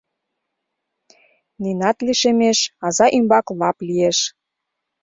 — Нинат лишемеш, аза ӱмбак лап лиеш.